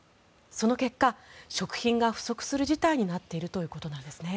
その結果、食品が不足する事態になっているということなんです。